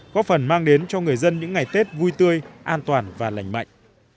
có phần mang đến cho người dân những ngày tết vui tươi an toàn và lành mạnh